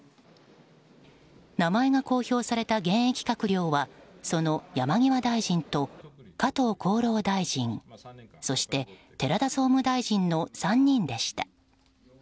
名前が公表された現役閣僚はその山際大臣と加藤厚労大臣そして寺田総務大臣の３人でした。